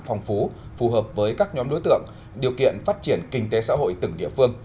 phong phú phù hợp với các nhóm đối tượng điều kiện phát triển kinh tế xã hội từng địa phương